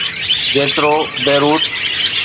جيترو بيروت.